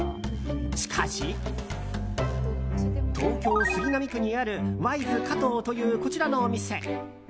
しかし、東京・杉並区にあるＹ’ｓ☆ｋａｔｏというこちらのお店。